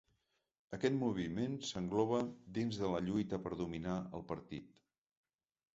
Aquest moviment s’engloba dins de la lluita per dominar el partit.